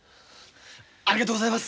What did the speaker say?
ありがとうございます！